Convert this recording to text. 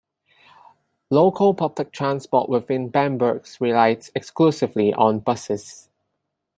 Local public transport within Bamberg relies exclusively on buses.